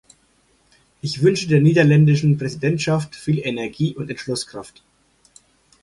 Ich wünsche der niederländischen Präsidentschaft viel Energie und Entschlusskraft.